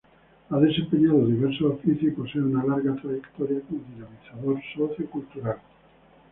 Ha desempeñado diversos oficios y posee una larga trayectoria como dinamizador sociocultural.